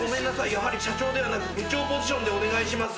やはり社長ではなく部長ポジションでお願いします」